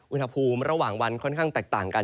อุณหภูมิระหว่างวันค่อนข้างแตกต่างกัน